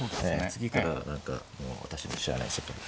次からは何かもう私の知らない世界に。